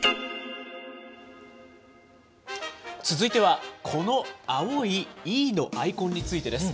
続いてはこの青いｅのアイコンについてです。